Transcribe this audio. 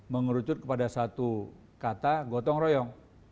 mengerucut kepada satu kata gotong royong